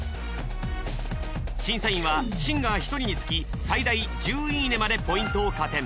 審査員はシンガー１人につき最大「１０いいね！」までポイントを加点。